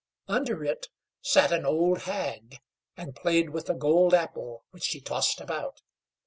Under it sat an old hag, and played with a gold apple which she tossed about.